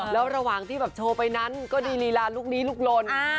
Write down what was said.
แล้วระหว่างที่แบบโชว์ไปนั้นก็ดีลีลาลูกนี้ลูกลน